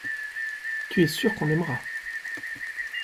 Tu es sûr qu’on aimera.